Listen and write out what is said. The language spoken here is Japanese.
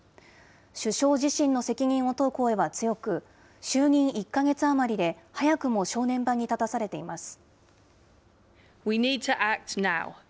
首相自身の責任を問う声は強く、就任１か月余りで早くも正念場に立たされています。